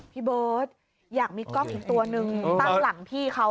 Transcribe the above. พี่เบิร์ตอยากมีกล้องอีกตัวนึงตั้งหลังพี่เขา